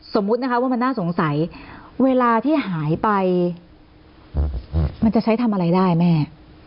สมมุตินะคะว่ามันน่าสงสัยเวลาที่หายไปมันจะใช้ทำอะไรได้แม่